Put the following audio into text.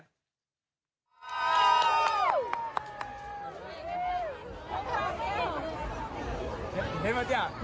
เห็นไหมจ้ะ